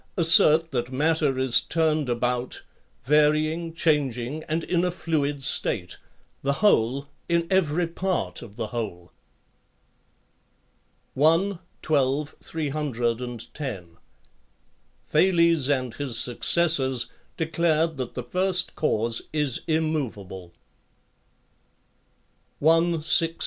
assert that matter is turned about, varying, changing, and in a fluid state, the whole in every part of the whole. 12; 310. Thales and his successors declared that the first cause is im movable. 16; 314.